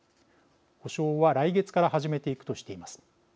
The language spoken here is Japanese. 補償は来月から始めていくとしています。